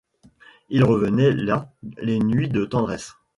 Ils revenaient là, les nuits de tendresse.